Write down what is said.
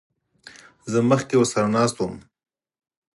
زه مخکې ورسره ناست وم.